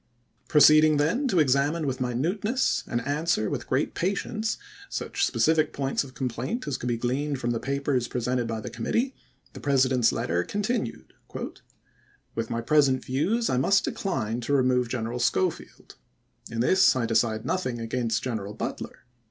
Proceeding then to examine with minuteness, and answer with great patience, such specific points of complaint as could be gleaned from the papers presented by the committee, the President's letter continued : With my present views, I must decline to remove Gen eral Schofield. In this I decide nothing against General Butler.